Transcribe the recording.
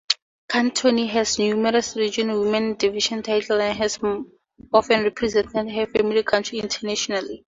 Cantoni has numerous regional women-division title, and has often represented her home country internationally.